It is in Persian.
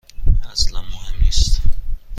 اصلا مهم نیست.